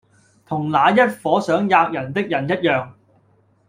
同那一夥想喫人的人一樣。